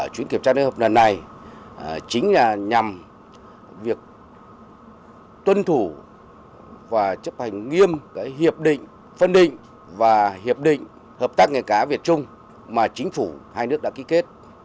chuyến kiểm tra liên hợp lần này chính là nhằm việc tuân thủ và chấp hành nghiêm hiệp định phân định và hiệp định hợp tác nghề cá việt trung mà chính phủ hai nước đã ký kết